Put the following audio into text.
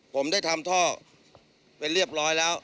ผมได้ทำท่อเป็นเรียบร้อยแล้ว